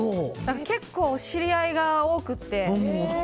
結構、知り合いが多くて。